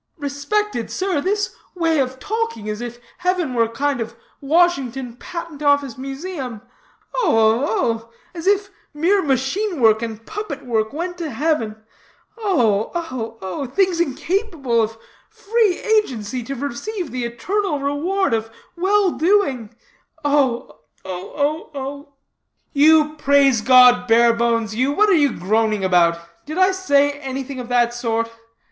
Respected sir, this way of talking as if heaven were a kind of Washington patent office museum oh, oh, oh! as if mere machine work and puppet work went to heaven oh, oh, oh! Things incapable of free agency, to receive the eternal reward of well doing oh, oh, oh!" "You Praise God Barebones you, what are you groaning about? Did I say anything of that sort?